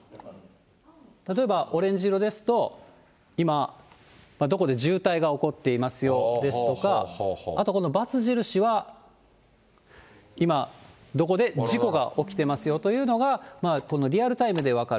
例えばオレンジ色ですと、今、どこで渋滞が起こっていますよですとか、あとこの×印は、今、どこで事故が起きてますよというのが、このリアルタイムで分かる。